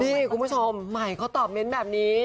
นี่คุณผู้ชมใหม่เขาตอบเมนต์แบบนี้